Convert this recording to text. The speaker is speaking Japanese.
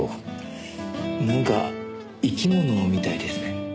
なんか生き物みたいですね。